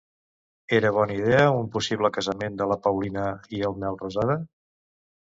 Era bona idea un possible casament de la Paulina i el Melrosada?